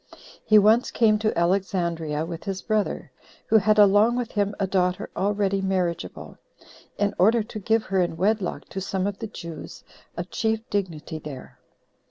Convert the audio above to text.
He once came to Alexandria with his brother, who had along with him a daughter already marriageable, in order to give her in wedlock to some of the Jews of chief dignity there.